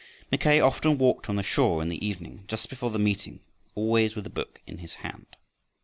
Mackay often walked on the shore in the evening just before the meeting, always with a book in his hand.